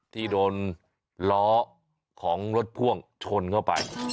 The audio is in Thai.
ที่โดนล้อของรถพ่วงชนเข้าไป